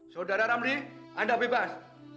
saudara ramzi anda bebas